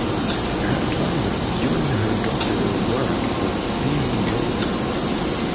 Her advisor during her doctoral work was Steven Gobel.